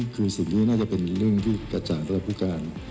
คือสิ่งที่น่าจะเป็นเรื่องที่กระจ่างสำหรับผู้การ